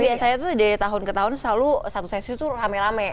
biasanya tuh dari tahun ke tahun selalu satu sesi tuh rame rame